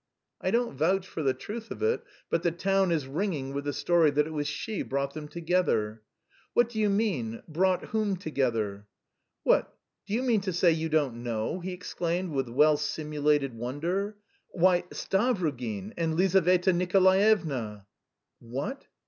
"I don't vouch for the truth of it, but the town is ringing with the story that it was she brought them together." "What do you mean? Brought whom together?" "What, do you mean to say you don't know?" he exclaimed with well simulated wonder. "Why Stavrogin and Lizaveta Nikolaevna." "What?